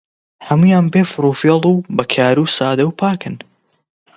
هەموویان بێ فڕوفێڵ و بەکار و سادە و پاکن